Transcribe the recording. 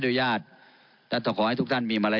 ท่านประธานครับคุณอฮุชาเนี่ยจะตัดเงินเดือนใช่ไหมท่านประธานครับ